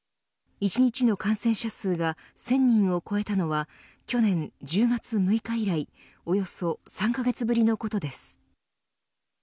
一日の感染者数が１０００人を超えたのは去年１０月６日以来およそ３カ月ぶりのことです。